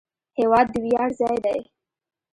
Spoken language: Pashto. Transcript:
هېواد د ویاړ ځای دی.